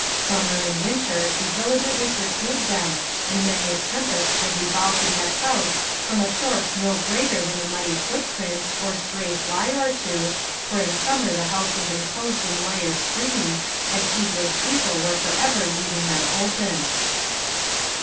Summer and winter she diligently pursued them, and many a tempest was evolved in that house from a source no greater than a muddy foot print, or stray fly or two, for in summer the house was enclosed in wire screens, and heedless people were for ever leaving them open.